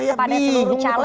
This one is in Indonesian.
saya dihunggung pasang dulu